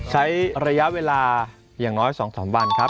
ใช้ระยะเวลาอย่างน้อย๒๓วันครับ